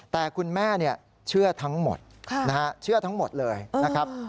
แต่คุณแม่เชื่อทั้งหมดเชื่อทั้งหมดเลยนะครับ